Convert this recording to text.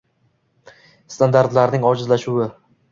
Standartlarning ojizlashuvi